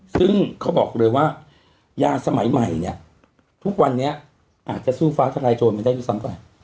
ซึ่งเขาบอกเลยว่ายาสมัยใหม่เนี่ยทุกวันนี้อาจจะสู้ฟ้าทลายโจรไม่ได้ด้วยซ้ำไป